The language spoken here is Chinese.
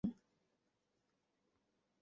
在九十九学年度下学期启用。